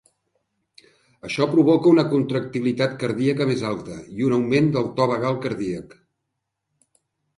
Això provoca una contractilitat cardíaca més alta i un augment del to vagal cardíac.